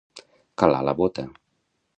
Calar la bota.